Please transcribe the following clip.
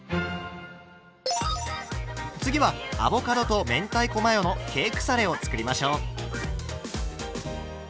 次はアボカドと明太子マヨのケークサレを作りましょう。